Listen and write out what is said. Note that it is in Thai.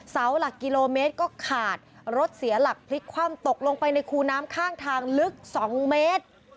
เสาหลักกิโลเมตรก็ขาดรถเสียหลักพลิกคว่ำตกลงไปในคูน้ำข้างทางลึก๒เมตร